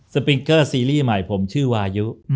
ปิงเกอร์ซีรีส์ใหม่ผมชื่อวายุ